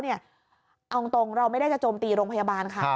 เอาตรงเราไม่ได้จะโจมตีโรงพยาบาลค่ะ